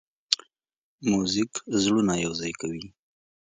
موزیک زړونه یوځای کوي.